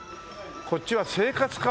こっちは生活か。